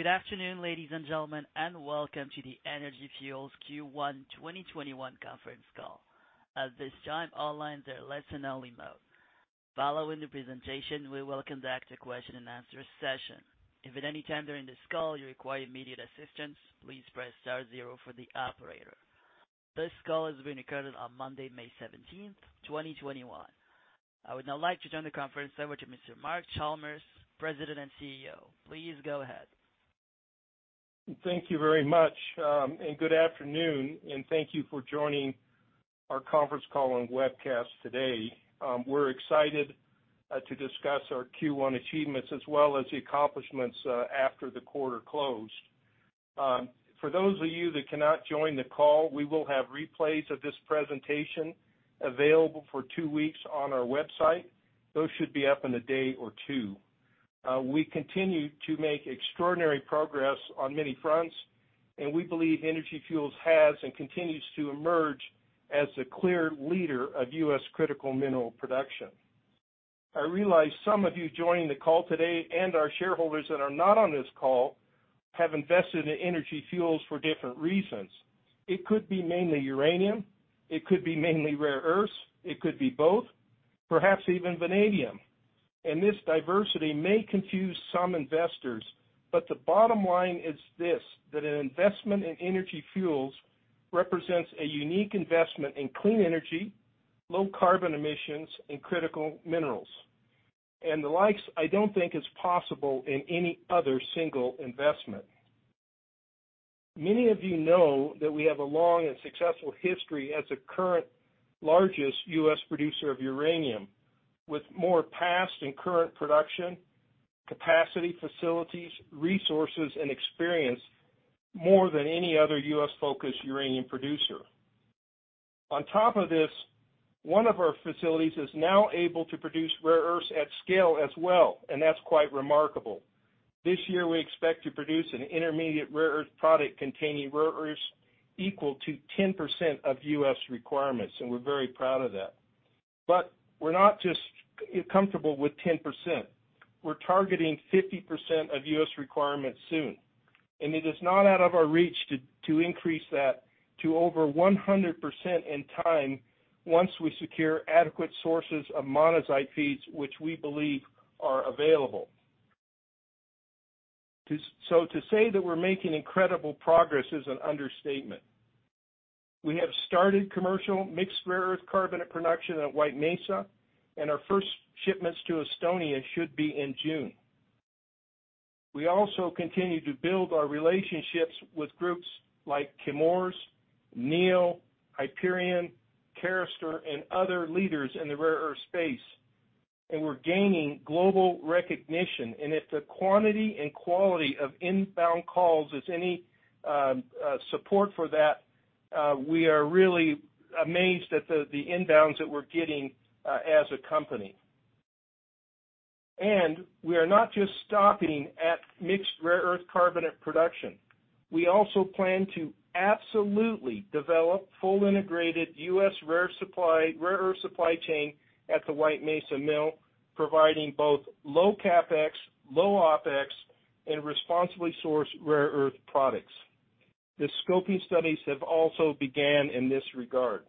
Good afternoon, ladies and gentlemen, and welcome to the Energy Fuels Q1 2021 conference call. At this time, all lines are in listen-only mode. Following the presentation, we welcome back to question and answer session. If at any time during this call you require immediate assistance, please press star zero for the operator. This call is being recorded on Monday, May 17, 2021. I would now like to turn the conference over to Mr. Mark Chalmers, President and CEO. Please go ahead. Thank you very much. Good afternoon, and thank you for joining our conference call and webcast today. We're excited to discuss our Q1 achievements as well as the accomplishments after the quarter closed. Those of you that cannot join the call, we will have replays of this presentation available for two weeks on our website. Those should be up in a day or two. We continue to make extraordinary progress on many fronts, and we believe Energy Fuels has and continues to emerge as the clear leader of U.S. critical mineral production. I realize some of you joining the call today, and our shareholders that are not on this call, have invested in Energy Fuels for different reasons. It could be mainly uranium, it could be mainly rare earths, it could be both, perhaps even vanadium. This diversity may confuse some investors, the bottom line is this, that an investment in Energy Fuels represents a unique investment in clean energy, low carbon emissions and critical minerals. The likes I don't think is possible in any other single investment. Many of you know that we have a long and successful history as the current largest U.S. producer of uranium, with more past and current production, capacity facilities, resources, and experience more than any other U.S.-focused uranium producer. On top of this, one of our facilities is now able to produce rare earths at scale as well, and that's quite remarkable. This year, we expect to produce an intermediate rare earth product containing rare earths equal to 10% of U.S. requirements, and we're very proud of that. We're not just comfortable with 10%, we're targeting 50% of U.S. requirements soon, and it is not out of our reach to increase that to over 100% in time once we secure adequate sources of monazite feeds, which we believe are available. To say that we're making incredible progress is an understatement. We have started commercial mixed rare earth carbonate production at White Mesa, and our first shipments to Estonia should be in June. We also continue to build our relationships with groups like Chemours, Neo, Hyperion, Carester, and other leaders in the rare earth space, and we're gaining global recognition. If the quantity and quality of inbound calls is any support for that, we are really amazed at the inbounds that we're getting as a company. We are not just stopping at mixed rare earth carbonate production. We also plan to absolutely develop full integrated U.S. rare earth supply chain at the White Mesa Mill, providing both low CapEx, low OpEx, and responsibly sourced rare earth products. The scoping studies have also began in this regard.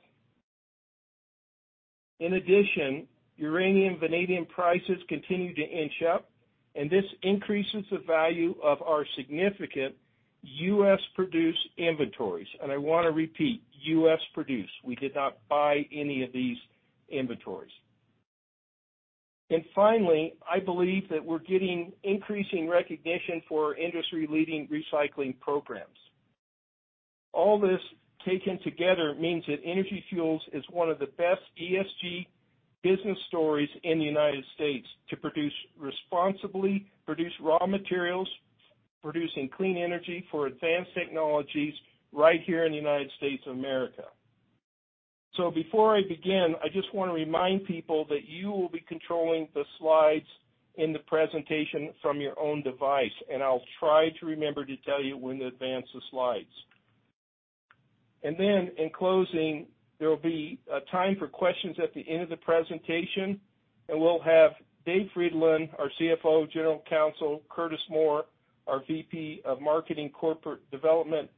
In addition, uranium, vanadium prices continue to inch up, and this increases the value of our significant U.S.-produced inventories. I want to repeat, U.S.-produced. We did not buy any of these inventories. Finally, I believe that we're getting increasing recognition for our industry-leading recycling programs. All this taken together means that Energy Fuels is one of the best ESG business stories in the United States to produce responsibly, produce raw materials, producing clean energy for advanced technologies right here in the United States of America. Before I begin, I just want to remind people that you will be controlling the slides in the presentation from your own device, and I'll try to remember to tell you when to advance the slides. In closing, there'll be a time for questions at the end of the presentation, and we'll have Dave Frydenlund, our CFO and General Counsel, Curtis Moore, our VP of Marketing Corporate Development,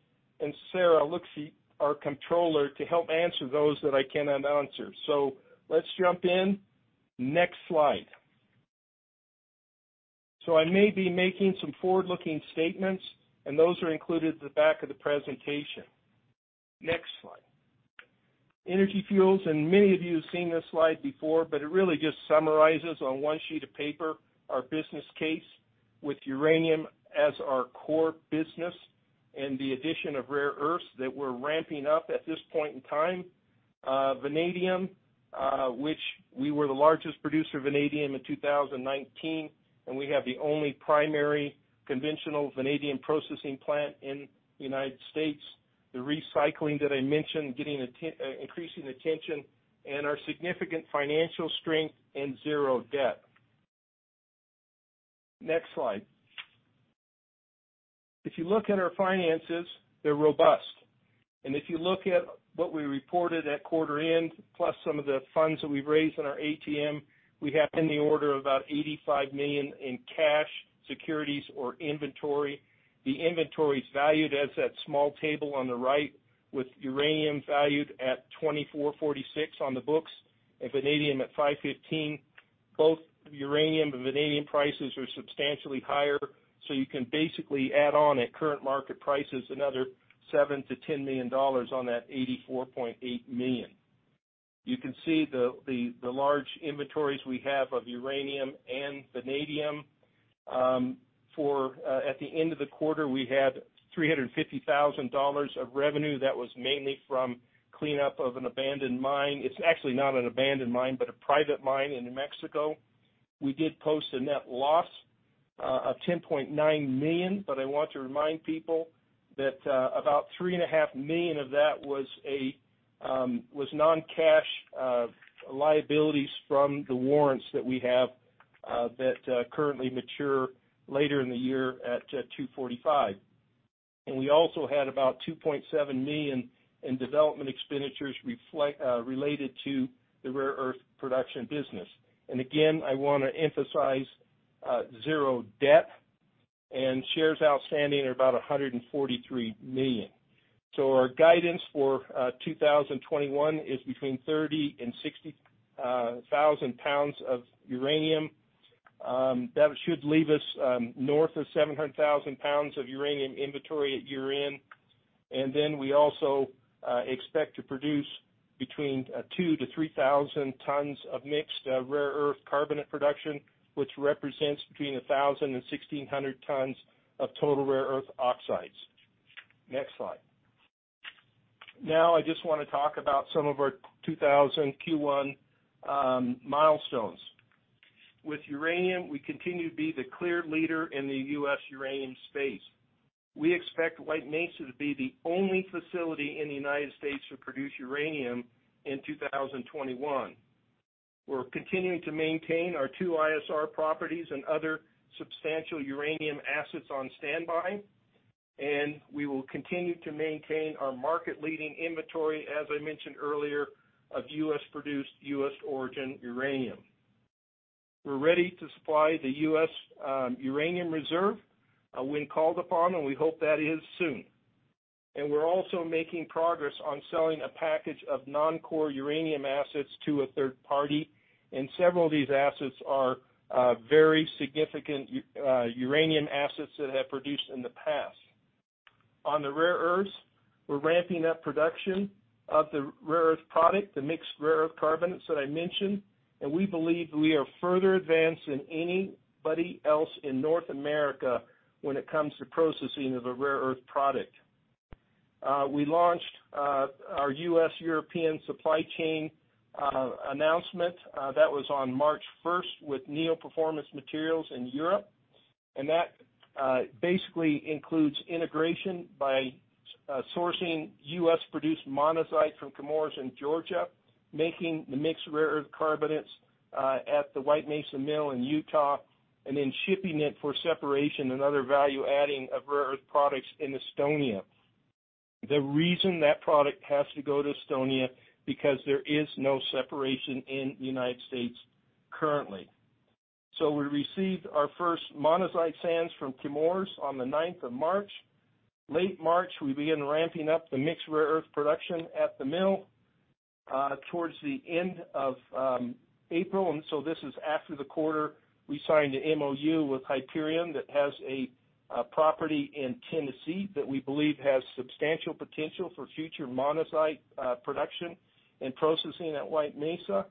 and Sarai Luksch, our Controller, to help answer those that I cannot answer. Let's jump in. Next slide. I may be making some forward-looking statements, and those are included at the back of the presentation. Next slide. Energy Fuels, and many of you have seen this slide before, but it really just summarizes on one sheet of paper our business case with uranium as our core business and the addition of rare earths that we're ramping up at this point in time, vanadium, which we were the largest producer of vanadium in 2019, and we have the only primary conventional vanadium processing plant in the United States. The recycling that I mentioned getting increasing attention, and our significant financial strength and zero debt. Next slide. If you look at our finances, they're robust. If you look at what we reported at quarter end, plus some of the funds that we've raised in our ATM, we have in the order of about $85 million in cash, securities, or inventory. The inventory is valued as that small table on the right, with uranium valued at $24.46 on the books and vanadium at $5.15. Both uranium and vanadium prices are substantially higher. You can basically add on at current market prices, another $7 million-$10 million on that $84.8 million. You can see the large inventories we have of uranium and vanadium. At the end of the quarter, we had $350,000 of revenue that was mainly from cleanup of an abandoned mine. It's actually not an abandoned mine, but a private mine in New Mexico. We did post a net loss of $10.9 million. I want to remind people that about $3.5 million of that was non-cash liabilities from the warrants that we have that currently mature later in the year at $2.45. We also had about $2.7 million in development expenditures related to the rare earth production business. Again, I want to emphasize zero debt and shares outstanding are about 143 million. Our guidance for 2021 is between 30,000 and 60,000 pounds of uranium. That should leave us north of 700,000 pounds of uranium inventory at year-end. Then we also expect to produce between 2,000 to 3,000 tons of mixed rare earth carbonate production, which represents between 1,000 and 1,600 tons of total rare earth oxides. Next slide. I just want to talk about some of our 2021 Q1 milestones. With uranium, we continue to be the clear leader in the U.S. uranium space. We expect White Mesa to be the only facility in the United States to produce uranium in 2021. We're continuing to maintain our two ISR properties and other substantial uranium assets on standby. We will continue to maintain our market-leading inventory, as I mentioned earlier, of U.S.-produced, U.S.-origin uranium. We're ready to supply the U.S. Uranium Reserve when called upon. We hope that is soon. We're also making progress on selling a package of non-core uranium assets to a third party. Several of these assets are very significant uranium assets that have produced in the past. On the rare earths, we're ramping up production of the rare earth product, the mixed rare earth carbonates that I mentioned. We believe we are further advanced than anybody else in North America when it comes to processing of a rare earth product. We launched our U.S.-European supply chain announcement. That was on March 1st with Neo Performance Materials in Europe, and that basically includes integration by sourcing U.S.-produced monazite from Chemours in Georgia, making the mixed rare earth carbonates at the White Mesa Mill in Utah, and then shipping it for separation and other value-adding of rare earth products in Estonia. The reason that product has to go to Estonia because there is no separation in the U.S. currently. We received our first monazite sands from Chemours on the 9th of March. Late March, we began ramping up the mixed rare earth production at the mill towards the end of April. This is after the quarter we signed an MoU with Hyperion that has a property in Tennessee that we believe has substantial potential for future monazite production and processing at White Mesa.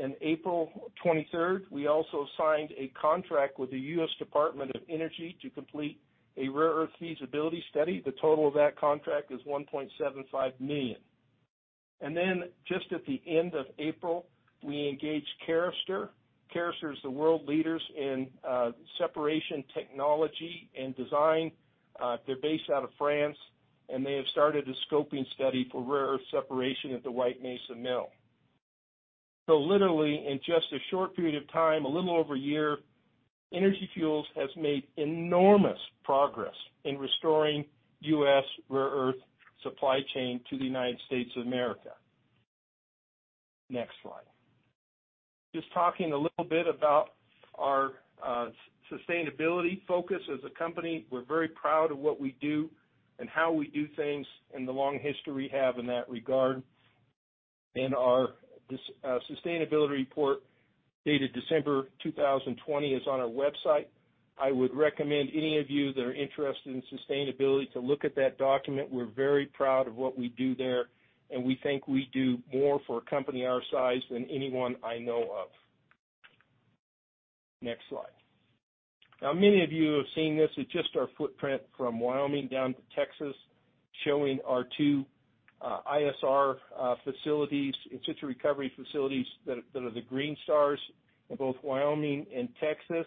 In April 23rd, we also signed a contract with the U.S. Department of Energy to complete a rare earth feasibility study. The total of that contract is $1.75 million. Just at the end of April, we engaged Carester. Carester is the world leaders in separation technology and design. They're based out of France, and they have started a scoping study for rare earth separation at the White Mesa Mill. Literally in just a short period of time, a little over a year, Energy Fuels has made enormous progress in restoring U.S. rare earth supply chain to the United States of America. Next slide. Just talking a little bit about our sustainability focus as a company. We're very proud of what we do and how we do things, and the long history we have in that regard. Our sustainability report dated December 2020 is on our website. I would recommend any of you that are interested in sustainability to look at that document. We're very proud of what we do there, and we think we do more for a company our size than anyone I know of. Next slide. Many of you have seen this. It's just our footprint from Wyoming down to Texas, showing our two ISR facilities, in-situ recovery facilities that are the green stars in both Wyoming and Texas.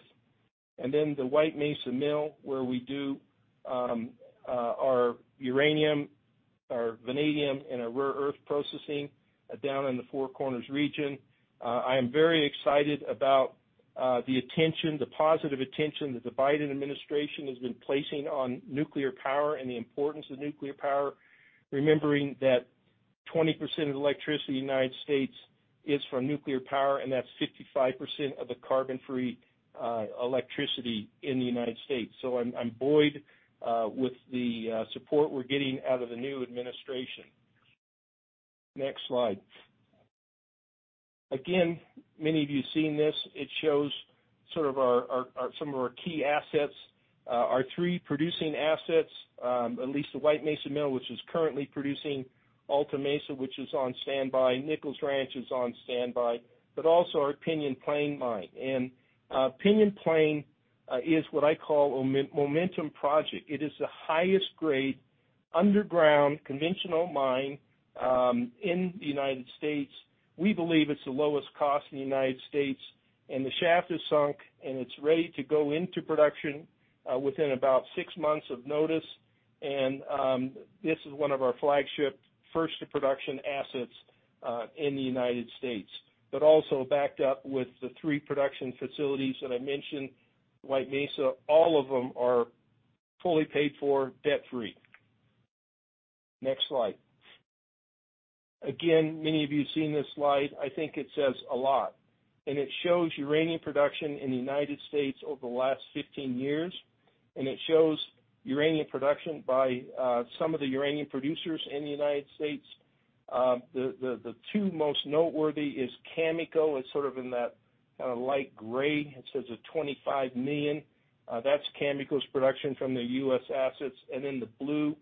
The White Mesa Mill, where we do our uranium, our vanadium and our rare earth processing down in the Four Corners Region. I'm very excited about the positive attention the Biden administration has been placing on nuclear power and the importance of nuclear power, remembering that 20% of electricity in the U.S. is from nuclear power, and that's 55% of the carbon-free electricity in the U.S. I'm buoyed with the support we're getting out of the new administration. Next slide. Again, many of you have seen this. It shows some of our key assets, our three producing assets, at least the White Mesa Mill, which is currently producing, Alta Mesa, which is on standby, Nichols Ranch, is on standby, but also our Pinyon Plain mine. Pinyon Plain is what I call a momentum project. It is the highest-grade underground conventional mine in the United States. We believe it's the lowest cost in the United States. The shaft is sunk; it's ready to go into production within about six months of notice. This is one of our flagship first-to-production assets in the U.S., but also backed up with the three production facilities that I mentioned, White Mesa, all of them are fully paid for, debt-free. Next slide. Again, many of you have seen this slide. I think it says a lot. It shows uranium production in the U.S. over the last 15 years, and it shows uranium production by some of the uranium producers in the U.S. The two most noteworthy is Cameco. It's sort of in that light gray. It says 25 million. That's Cameco's production from the U.S. assets. The blue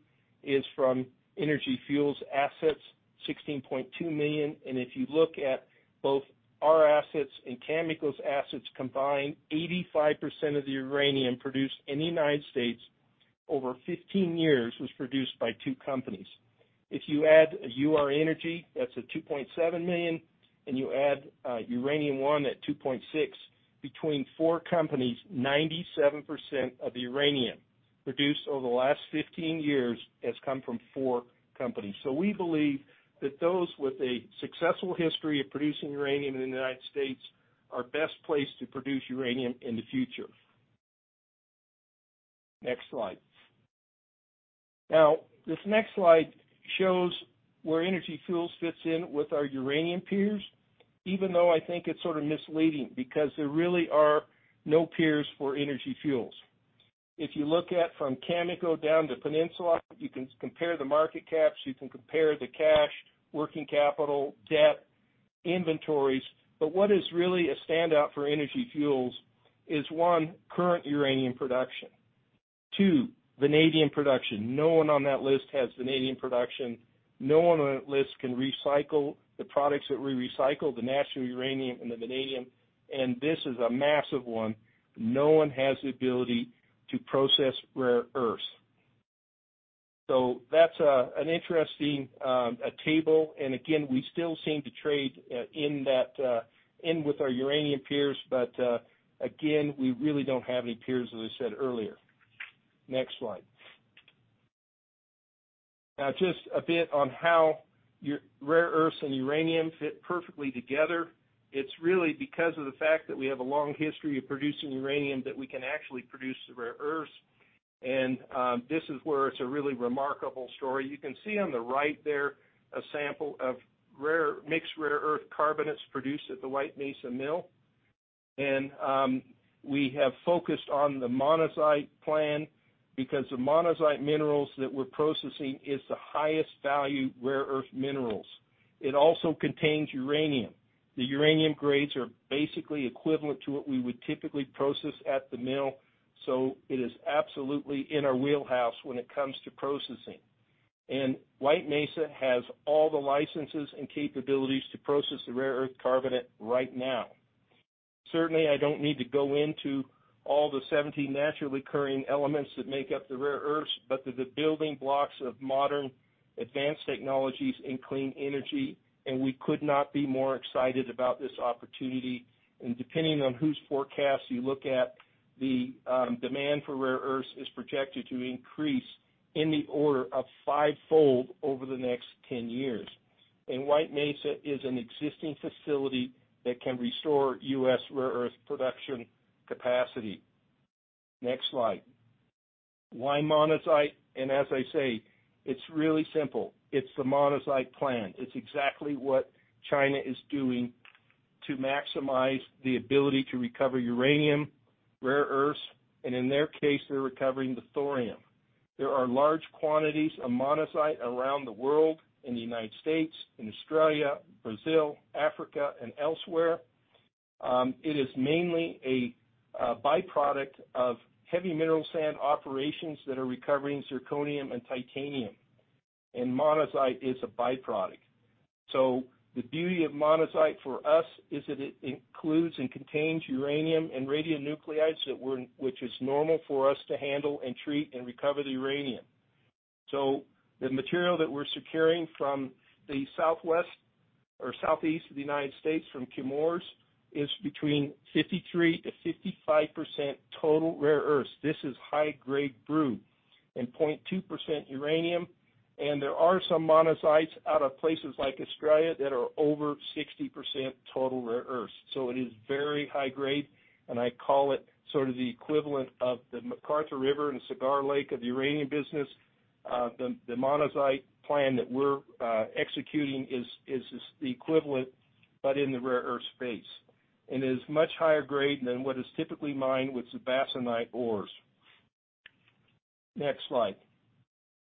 is from Energy Fuels assets, 16.2 million. If you look at both our assets and Cameco's assets combined, 85% of the uranium produced in the U.S. over 15 years was produced by two companies. If you add Ur-Energy, that's a 2.7 million. You add Uranium One at 2.6, between four companies, 97% of uranium produced over the last 15 years has come from four companies. We believe that those with a successful history of producing uranium in the U.S. are best placed to produce uranium in the future. Next slide. This next slide shows where Energy Fuels fits in with our uranium peers, even though I think it's sort of misleading because there really are no peers for Energy Fuels. If you look at from Cameco down to Peninsula, you can compare the market caps, you can compare the cash, working capital, debt, inventories, but what is really a standout for Energy Fuels is one, current uranium production, two, vanadium production. No one on that list has vanadium production. No one on that list can recycle the products that we recycle, the natural uranium and the vanadium, and this is a massive one. No one has the ability to process rare earths. That's an interesting table, and again, we still seem to trade in with our uranium peers, but again, we really don't have any peers, as I said earlier. Next slide. Just a bit on how rare earths and uranium fit perfectly together. It's really because of the fact that we have a long history of producing uranium that we can actually produce the rare earths, and this is where it's a really remarkable story. You can see on the right there a sample of mixed rare earth carbonates produced at the White Mesa Mill. We have focused on the monazite plan because the monazite minerals that we're processing is the highest value rare earth minerals. It also contains uranium. The uranium grades are basically equivalent to what we would typically process at the Mill. It is absolutely in our wheelhouse when it comes to processing. White Mesa has all the licenses and capabilities to process the rare earth carbonate right now. Certainly, I don't need to go into all the 17 naturally occurring elements that make up the rare earths, but they're the building blocks of modern advanced technologies and clean energy, and we could not be more excited about this opportunity. Depending on whose forecast you look at, the demand for rare earths is projected to increase in the order of fivefold over the next 10 years. White Mesa is an existing facility that can restore U.S. rare earth production capacity. Next slide. Why monazite? As I say, it's really simple. It's the monazite plan. It's exactly what China is doing to maximize the ability to recover uranium, rare earths, and in their case, they're recovering the thorium. There are large quantities of monazite around the world, in the United States, in Australia, Brazil, Africa, and elsewhere. It is mainly a byproduct of heavy mineral sand operations that are recovering zirconium and titanium, and monazite is a byproduct. The beauty of monazite for us is that it includes and contains uranium and radionuclides, which is normal for us to handle and treat and recover the uranium. The material that we're securing from the southeast of the U.S. from Chemours is between 53%-55% total rare earths. This is high-grade brew and 0.2% uranium. There are some monazites out of places like Australia that are over 60% total rare earths. It is very high grade, and I call it the equivalent of the McArthur River and Cigar Lake of the uranium business. The monazite plan that we're executing is the equivalent, but in the rare earths space, and is much higher grade than what is typically mined with bastnäsite ores. Next slide.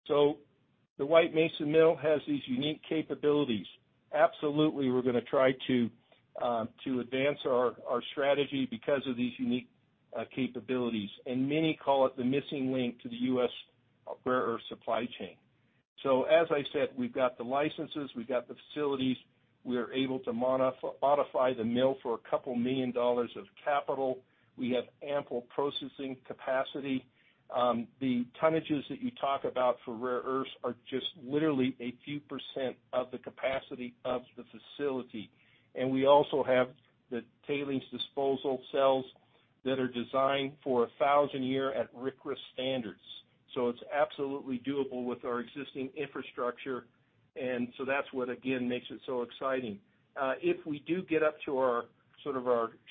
The White Mesa Mill has these unique capabilities. Absolutely, we're going to try to advance our strategy because of these unique capabilities, and many call it the missing link to the U.S. rare earths supply chain. As I said, we've got the licenses, we've got the facilities. We are able to modify the mill for a couple million dollars of capital. We have ample processing capacity. The tonnages that you talk about for rare earths are just literally a few percent of the capacity of the facility. We also have the tailings disposal cells that are designed for 1,000-year at RCRA standards. It's absolutely doable with our existing infrastructure, that's what, again, makes it so exciting. If we do get up to our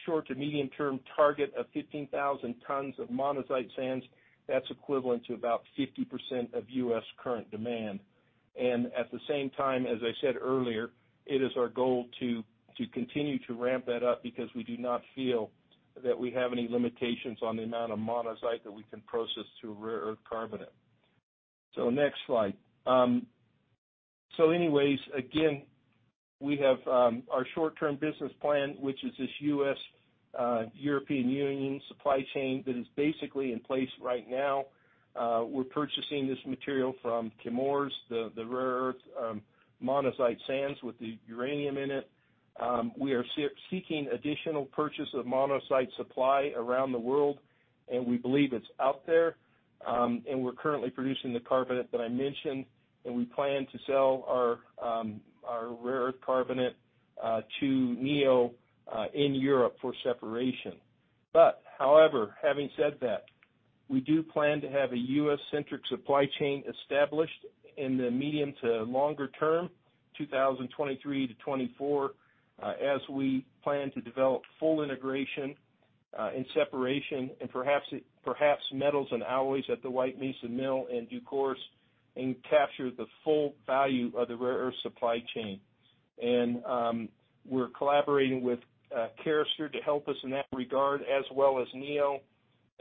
short to medium term target of 15,000 tons of monazite sands, that's equivalent to about 50% of U.S. current demand. At the same time, as I said earlier, it is our goal to continue to ramp that up because we do not feel that we have any limitations on the amount of monazite that we can process to a rare earth carbonate. Next slide. Again, we have our short-term business plan, which is this U.S.-European Union supply chain that is basically in place right now. We're purchasing this material from Chemours, the rare earths monazite sands with the uranium in it. We are seeking additional purchase of monazite supply around the world, and we believe it's out there. We're currently producing the carbonate that I mentioned, and we plan to sell our rare earth carbonate to Neo in Europe for separation. However, having said that, we do plan to have a U.S.-centric supply chain established in the medium to longer term, 2023 to 2024, as we plan to develop full integration and separation and perhaps metals and alloys at the White Mesa Mill in due course and capture the full value of the rare earth supply chain. We're collaborating with Carester to help us in that regard, as well as Neo.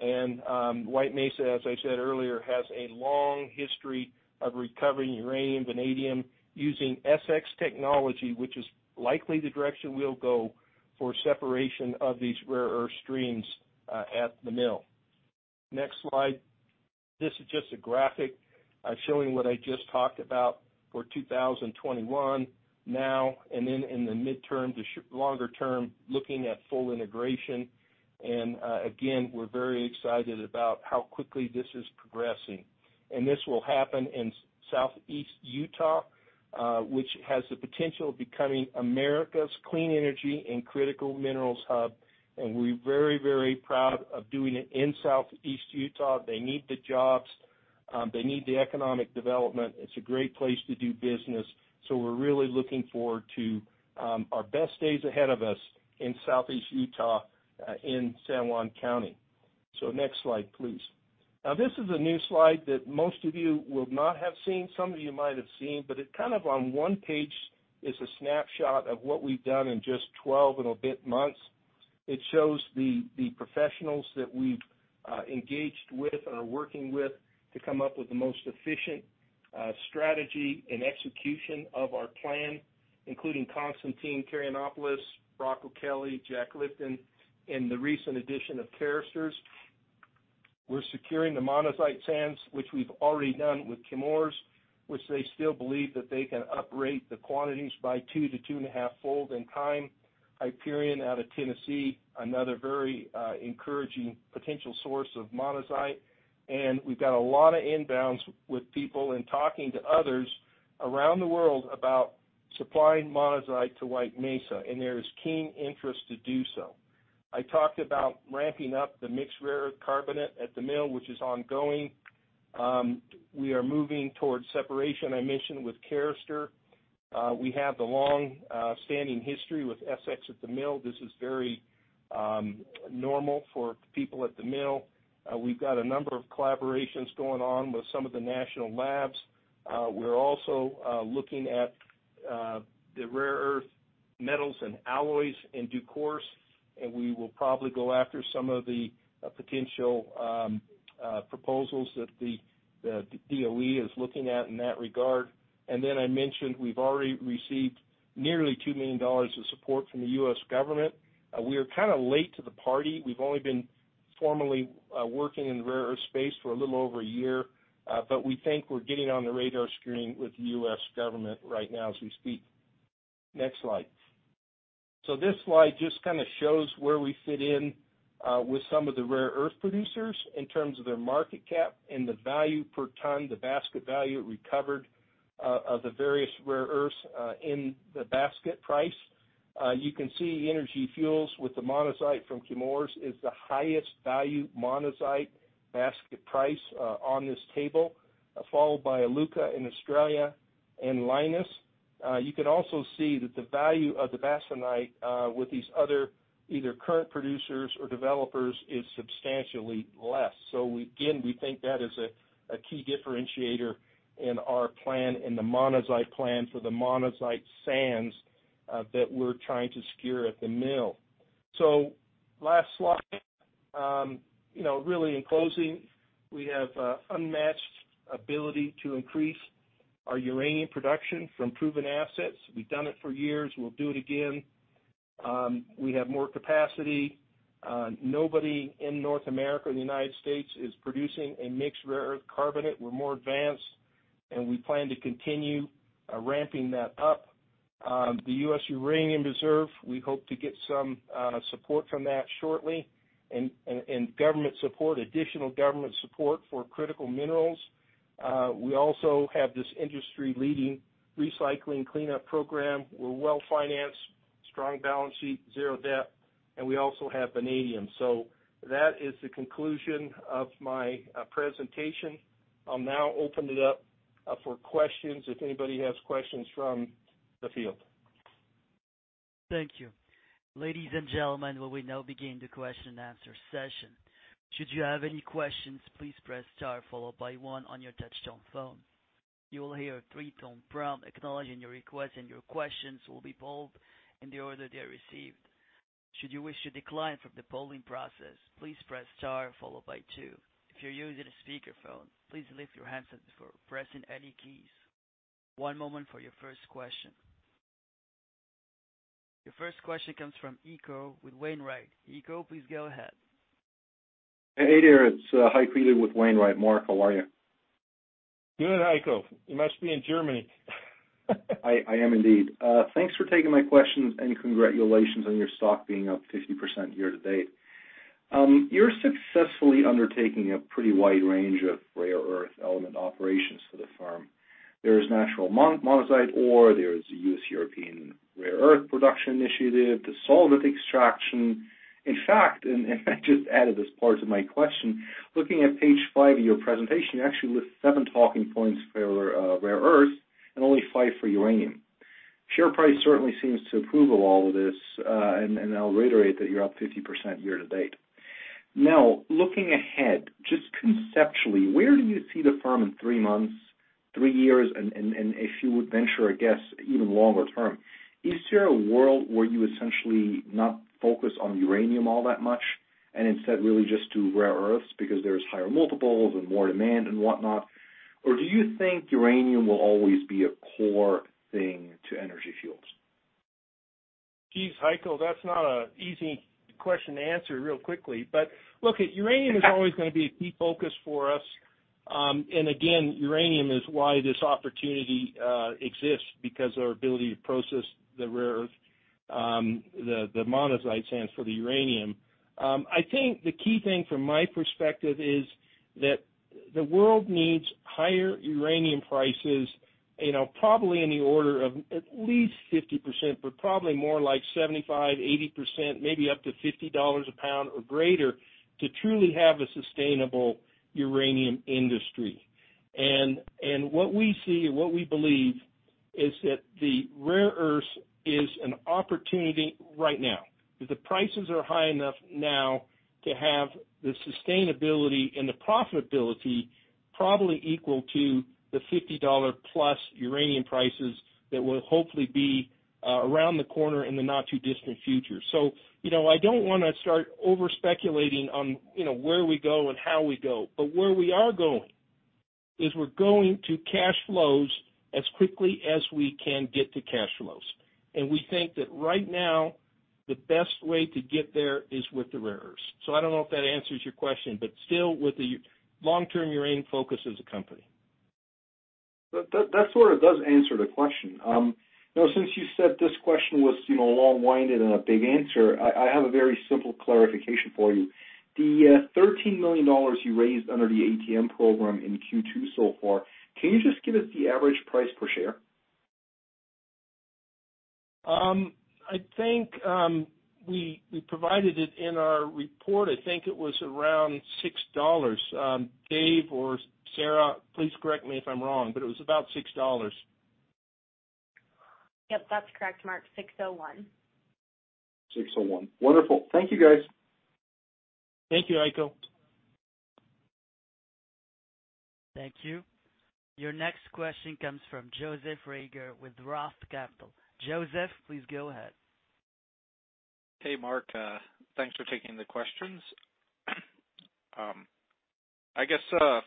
White Mesa, as I said earlier, has a long history of recovering uranium, vanadium using SX technology, which is likely the direction we'll go for separation of these rare earth streams at the mill. Next slide. This is just a graphic showing what I just talked about for 2021 now and then in the midterm to longer term, looking at full integration. Again, we're very excited about how quickly this is progressing. This will happen in southeast Utah, which has the potential of becoming America's clean energy and critical minerals hub. We're very proud of doing it in southeast Utah. They need the jobs. They need the economic development. It's a great place to do business. We're really looking forward to our best days ahead of us in southeast Utah, in San Juan County. Next slide, please. This is a new slide that most of you will not have seen. Some of you might have seen, but it on one page is a snapshot of what we've done in just 12 and a bit months. It shows the professionals that we've engaged with and are working with to come up with the most efficient strategy and execution of our plan, including Constantine Karayannopoulos, Brock O'Kelley, Jack Lifton, and the recent addition of Carester. We're securing the monazite sands, which we've already done with Chemours, which they still believe that they can operate the quantities by 2 to 2.5 fold in time. Hyperion out of Tennessee, another very encouraging potential source of monazite. We've got a lot of inbounds with people and talking to others around the world about supplying monazite to White Mesa, and there is keen interest to do so. I talked about ramping up the mixed rare earth carbonate at the mill, which is ongoing. We are moving towards separation, I mentioned with Carester. We have the long-standing history with SX at the mill. This is very normal for people at the mill. We've got a number of collaborations going on with some of the national labs. We're also looking at the rare earth metals and alloys in due course. We will probably go after some of the potential proposals that the DOE is looking at in that regard. Then I mentioned we've already received nearly $2 million of support from the U.S. government. We are late to the party. We've only been formally working in the rare earths space for a little over a year. We think we're getting on the radar screen with the U.S. government right now as we speak. Next slide. This slide just kind of shows where we fit in with some of the rare earth producers in terms of their market cap and the value per ton, the basket value recovered of the various rare earths in the basket price. You can see Energy Fuels with the monazite from Chemours is the highest value monazite basket price on this table, followed by Iluka in Australia and Lynas. You can also see that the value of the bastnäsite with these other either current producers or developers is substantially less. Again, we think that is a key differentiator in our plan, in the monazite plan for the monazite sands that we're trying to secure at the mill. Last slide. Really, in closing, we have unmatched ability to increase our uranium production from proven assets. We've done it for years, we'll do it again. We have more capacity. Nobody in North America, in the United States, is producing a mixed rare earth carbonate. We're more advanced; we plan to continue ramping that up. The U.S. Uranium Reserve, we hope to get some support from that shortly, and additional government support for critical minerals. We also have this industry-leading recycling cleanup program. We're well-financed, strong balance sheet, zero debt, and we also have vanadium. That is the conclusion of my presentation. I'll now open it up for questions if anybody has questions from the field. Thank you. Ladies and gentlemen, we will now begin the question and answer session. Should you have any questions, please press star followed by one on your touchtone phone. You will hear a three-tone prompt acknowledging your request, and your questions will be polled in the order they're received. Should you wish to decline from the polling process, please press star followed by two. If you're using a speakerphone, please lift your handset before pressing any keys. One moment for your first question. Your first question comes from Heiko with Wainwright. Heiko, please go ahead. Hey there. It's Heiko with Wainwright. Mark, how are you? Good Heiko. You must be in Germany. I am indeed. Thanks for taking my question. Congratulations on your stock being up 50% year to date. You're successfully undertaking a pretty wide range of rare earth element operations for the firm. There's natural monazite ore, there's the U.S. European Rare Earth Production Initiative, the solvent extraction. In fact, I just added this part to my question. Looking at page five of your presentation, you actually list seven talking points for rare earths and only five for uranium. Share price certainly seems to approve of all of this. I'll reiterate that you're up 50% year to date. Looking ahead, just conceptually, where do you see the firm in three months, three years, and if you would venture a guess, even longer term? Is there a world where you essentially not focus on uranium all that much and instead really just do rare earths because there's higher multiples and more demand and whatnot? Or do you think uranium will always be a core thing to Energy Fuels? Geez, Heiko, that's not an easy question to answer real quickly. Look, uranium is always going to be a key focus for us, and again, uranium is why this opportunity exists because our ability to process the rare earths, the monazite sands for the uranium. I think the key thing from my perspective is that the world needs higher uranium prices, probably in the order of at least 50%, but probably more like 75%, 80%, maybe up to $50 a pound or greater, to truly have a sustainable uranium industry. What we see and what we believe is that the rare earths is an opportunity right now, that the prices are high enough now to have the sustainability and the profitability, probably equal to the $50+ uranium prices that will hopefully be around the corner in the not-too-distant future. I don't want to start over-speculating on where we go and how we go. Where we are going is we're going to cash flows as quickly as we can get to cash flows. We think that right now the best way to get there is with the rare earths. I don't know if that answers your question, but still with the long-term uranium focus as a company. That sort of does answer the question. Since you said this question was long-winded and a big answer, I have a very simple clarification for you. The $13 million you raised under the ATM program in Q2 so far, can you just give us the average price per share? I think we provided it in our report. I think it was around $6. Dave or Sarai, please correct me if I'm wrong. It was about $6. Yep, that's correct, Mark. $6.01. $6.01. Wonderful. Thank you, guys. Thank you, Heiko. Thank you. Your next question comes from Joseph Reagor with ROTH Capital. Joseph, please go ahead. Hey, Mark. Thanks for taking the questions. I guess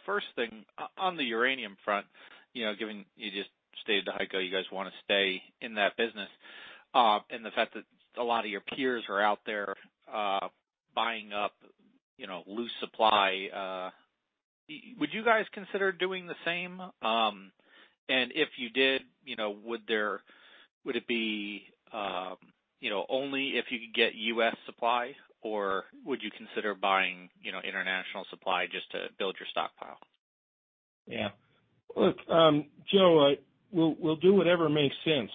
first thing, on the uranium front, given you just stated, Heiko, you guys want to stay in that business, and the fact that a lot of your peers are out there buying up loose supply. Would you guys consider doing the same? If you did, would it be only if you could get U.S. supply, or would you consider buying international supply just to build your stockpile? Yeah. Look, Joe, we'll do whatever makes sense.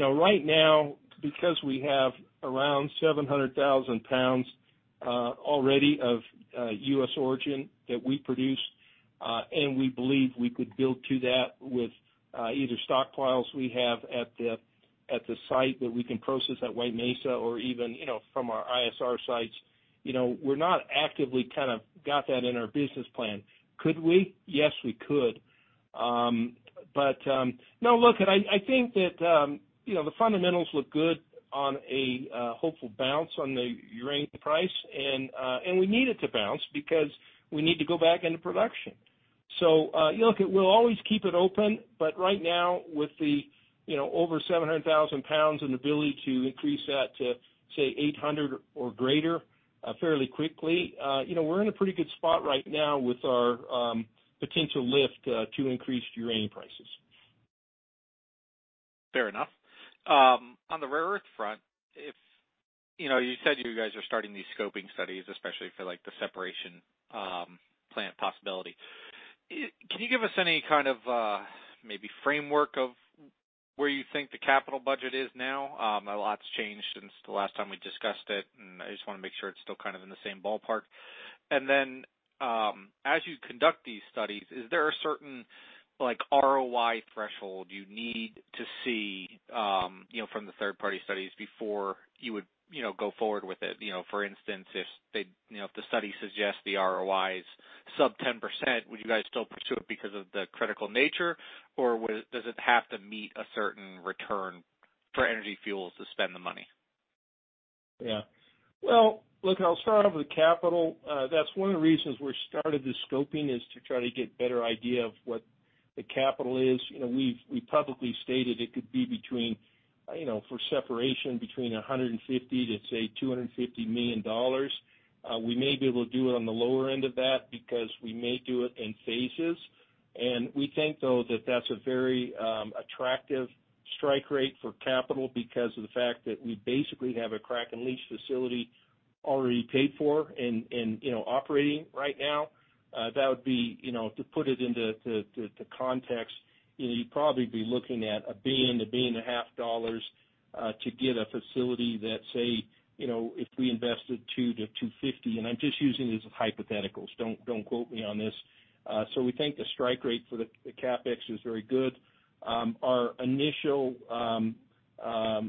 Right now, because we have around 700,000 pounds already of U.S. origin that we produce, and we believe we could build to that with either stockpiles we have at the site that we can process at White Mesa or even from our ISR sites. We're not actively got that in our business plan. Could we? Yes, we could. No, look, I think that the fundamentals look good on a hopeful bounce on the uranium price, and we need it to bounce because we need to go back into production. Look, we'll always keep it open, but right now with the over 700,000 pounds and ability to increase that to, say, 800 or greater fairly quickly. We're in a pretty good spot right now with our potential lift to increase uranium prices. Fair enough. On the rare earths front, you said you guys are starting these scoping studies, especially for the separation plant possibility. Can you give us any kind of maybe framework of where you think the capital budget is now? A lot's changed since the last time we discussed it. I just want to make sure it's still in the same ballpark. Then, as you conduct these studies, is there a certain ROI threshold you need to see from the third-party studies before you would go forward with it? For instance, if the study suggests the ROI is sub 10%, would you guys still pursue it because of the critical nature, or does it have to meet a certain return for Energy Fuels to spend the money? Yeah. Well, look, I'll start off with capital. That's one of the reasons we started the scoping: is to try to get a better idea of what the capital is. We've publicly stated it could be between, for separation, between $150 million-$250 million. We may be able to do it on the lower end of that because we may do it in phases. We think, though, that that's a very attractive strike rate for capital because of the fact that we basically have a crack and leach facility already paid for and operating right now. That would be, to put it into context, you'd probably be looking at $1 billion-$1.5 billion to get a facility that, say, if we invested 2 to 250, and I'm just using these as hypotheticals, don't quote me on this. We think the strike rate for the CapEx is very good. Our initial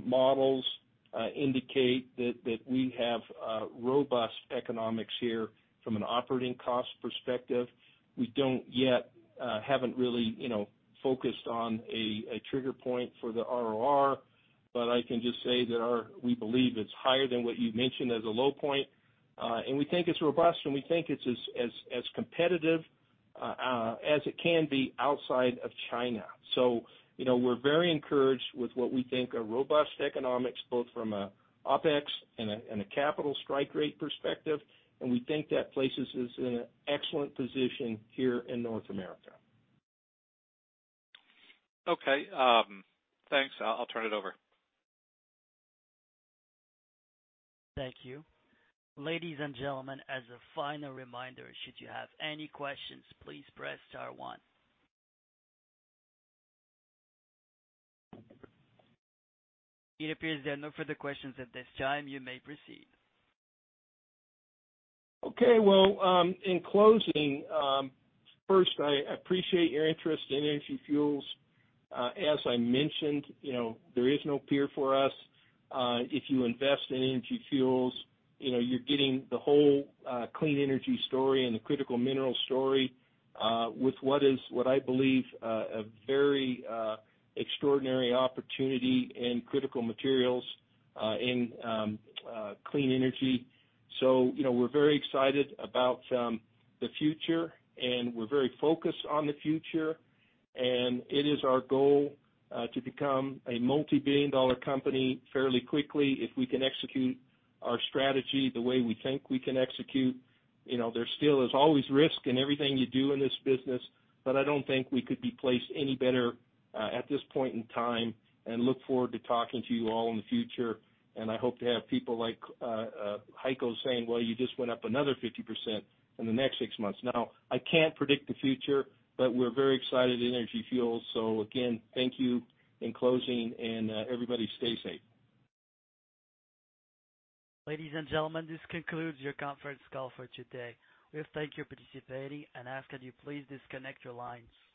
models indicate that we have robust economics here from an operating cost perspective. We haven't really focused on a trigger point for the ROR, but I can just say that we believe it's higher than what you mentioned as a low point. We think it's robust, and we think it's as competitive as it can be outside of China. We're very encouraged with what we think are robust economics, both from an OpEx and a capital strike rate perspective, and we think that places us in an excellent position here in North America. Okay. Thanks. I'll turn it over. Thank you. Ladies and gentlemen, as a final reminder, should you have any questions, please press star one. It appears there are no further questions at this time. You may proceed. Okay. Well, in closing, first, I appreciate your interest in Energy Fuels. As I mentioned, there is no peer for us. If you invest in Energy Fuels, you're getting the whole clean energy story and the critical minerals story, with what I believe a very extraordinary opportunity in critical materials in clean energy. We're very excited about the future, and we're very focused on the future, and it is our goal to become a multi-billion dollar company fairly quickly if we can execute our strategy the way we think we can execute. There still is always risk in everything you do in this business, but I don't think we could be placed any better at this point in time and look forward to talking to you all in the future. I hope to have people like Heiko saying, "Well, you just went up another 50% in the next six months." Now, I can't predict the future, but we're very excited at Energy Fuels. Again, thank you. In closing, and everybody stay safe. Ladies and gentlemen, this concludes your conference call for today. We thank you for participating and ask that you please disconnect your lines.